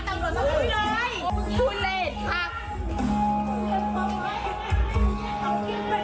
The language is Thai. พวกเจ้าบอกว่าอีกอย่างนึง